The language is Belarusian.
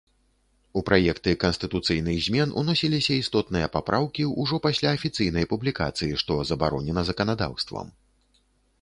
У праекты канстытуцыйных змен уносіліся істотныя папраўкі ўжо пасля афіцыйнай публікацыі, што забаронена заканадаўствам.